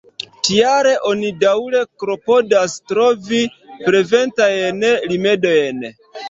Tial, oni daŭre klopodas trovi preventajn rimedojn.